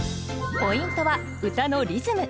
ポイントは歌のリズム。